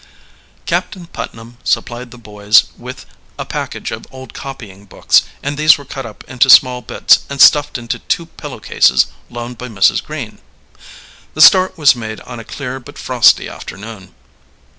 Captain Putnam supplied the boys with a package of old copying books, and these were cut up into small bits and stuffed into two pillow cases loaned by Mrs. Green. The start was made on a clear but frosty afternoon.